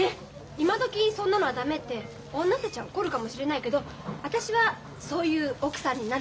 今どきそんなのは駄目って女たちは怒るかもしれないけど私はそういう奥さんになるつもりなの。